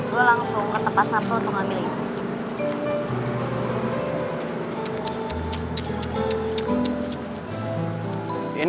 gua langsung ke tempat satu untuk ngamilin